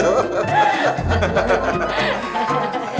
terima kasih pak